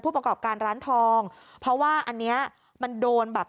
ประกอบการร้านทองเพราะว่าอันเนี้ยมันโดนแบบ